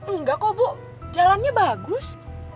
enggak kok bu jalannya bagus